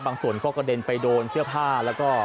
ส่วนก็กระเด็นไปโดนเสื้อผ้าแล้วก็